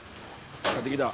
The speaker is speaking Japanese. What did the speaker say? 帰ってきた。